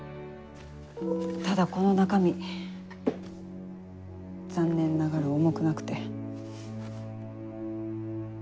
ただこの中身残念ながら重くなくて。